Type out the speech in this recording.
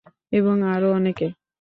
এবং আরো অনেকে।